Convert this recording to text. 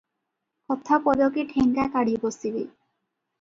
କଥା ପଦକେ ଠେଙ୍ଗା କାଢ଼ି ବସିବେ ।